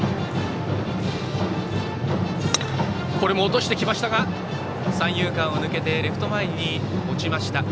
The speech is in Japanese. これも落としてきましたが三遊間を抜けてレフト前に落ちました。